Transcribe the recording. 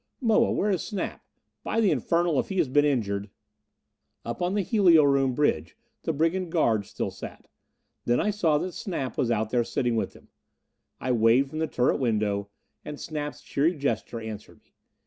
"Moa, where is Snap? By the infernal, if he has been injured! "Up on the helio room bridge the brigand guard still sat. Then I saw that Snap was out there sitting with him. I waved from the turret window, and Snap's cheery gesture answered me.